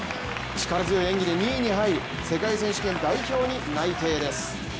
力強い演技で２位に入り世界選手権、代表に内定です。